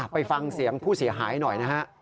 ไปฟังเสียงผู้เสียหายหน่อยนะฮะ